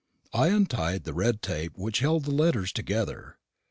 I untied the red tape which held the letters together.